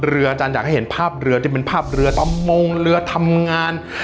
อาจารย์อยากให้เห็นภาพเรือที่เป็นภาพเรือตำมงเรือทำงาน